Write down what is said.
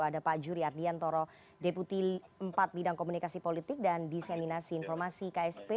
ada pak jury ardian toro deputi empat bidang komunikasi politik dan diseminasi informasi ksp